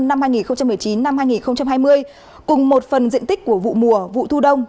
năm hai nghìn một mươi chín hai nghìn hai mươi cùng một phần diện tích của vụ mùa vụ thu đông